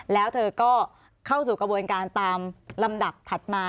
แล้วเธอก็เข้าสู่กระบวนการตามลำดับถัดมา